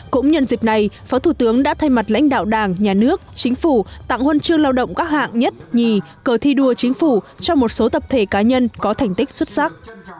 cũng nhân dịp này phó thủ tướng đã thay mặt lãnh đạo đảng nhà nước chính phủ tặng huân chương lao động các hạng nhất nhì cờ thi đua chính phủ cho một số tập thể cá nhân có thành tích xuất sắc